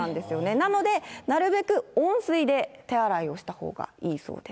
なので、なるべく温水で手洗いをしたほうがいいそうです。